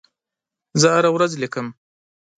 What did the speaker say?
زه هره ورځ لیکم.